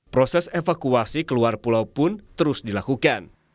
proses evakuasi keluar pulau pun terus dilakukan